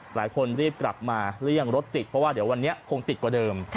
หลายคนรีบกลับมาเลี่ยงรถติดเพราะว่าเดี๋ยววันนี้คงติดกว่าเดิม